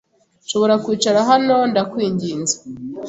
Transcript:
Nshobora kwicara aho, ndakwinginze?